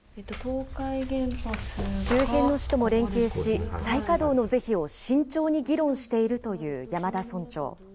周辺の市とも連携し、再稼働の是非を慎重に議論しているという山田村長。